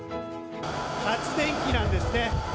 発電機なんですね。